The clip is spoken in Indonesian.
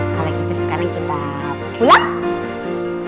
kalau gitu sekarang kita pulang